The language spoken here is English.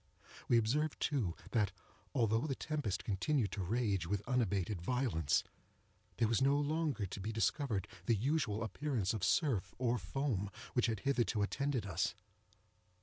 We observed too, that, although the tempest continued to rage with unabated violence, there was no longer to be discovered the usual appearance of surf, or foam, which had hitherto attended us.